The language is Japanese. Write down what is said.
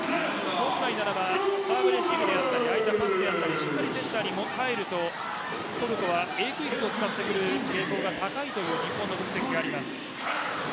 本来はサーブレシーブやパスなどしっかりセンターに入るとトルコはＡクイックを使ってくる傾向が高いという日本の分析があります。